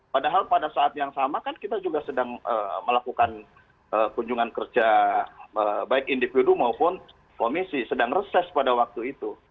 padahal pada saat yang sama kan kita juga sedang melakukan kunjungan kerja baik individu maupun komisi sedang reses pada waktu itu